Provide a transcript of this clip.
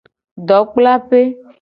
Dokplape.